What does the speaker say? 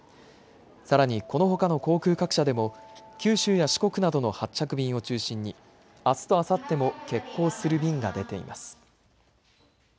さらにこのほかの航空各社でも九州や四国などの発着便を中心にあすとあさっても欠航する便が出ています。